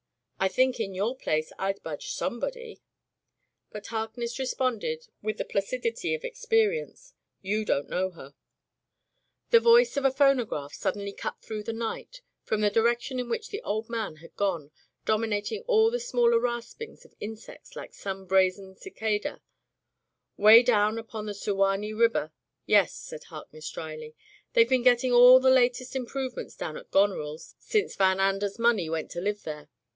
"I think, in your place, Fd budge some body.'' But Harkness responded with the placid ity of experience, "You don't know her." The voice of a phonograph suddenly cut through the night, from die direction in which the old man had gone, dominating all the smaller raspings of insects like some brazen cicada: "Way down upon the Suwanee Ribber— Yes," said Harkness, dryly, "they've been getting all the latest improvements down at Goneril's since Van Ander's money went to live there.